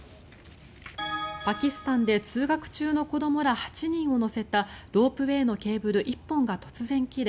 パキスタンで通学中の子どもら８人を乗せたロープウェーのケーブル１本が突然切れ